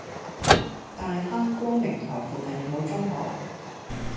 大坑光明臺附近有無中學？